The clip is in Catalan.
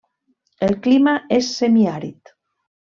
El clima és semiàrid.